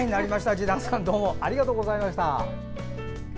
ｊｉｄａｎさんどうもありがとうございました。